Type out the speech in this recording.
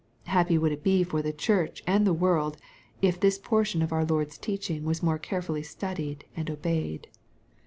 Happy would it be for the Church and the world, if this portion of our Lord's teaching was more carefully studied and obeyed.